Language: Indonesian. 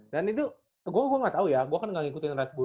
dan itu gue gak tau ya gue kan gak ngikutin red bull